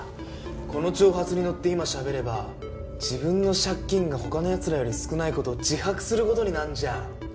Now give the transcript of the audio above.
この挑発にのって今しゃべれば自分の借金が他の奴らより少ない事を自白する事になるじゃん。